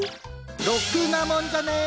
ロクなもんじゃねえ！